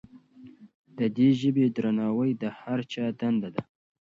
د دې ژبې درناوی د هر چا دنده ده.